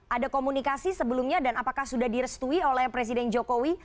ada komunikasi sebelumnya dan apakah sudah direstui oleh presiden jokowi